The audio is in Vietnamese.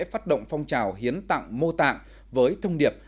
phát động phong trào hiến tặng mô tạng với thông điệp